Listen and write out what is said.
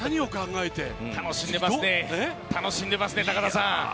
楽しんでますね、高田さん。